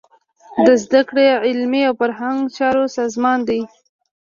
د زده کړې، علمي او فرهنګي چارو سازمان دی.